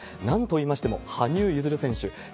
なんといいましても、羽生結弦選手。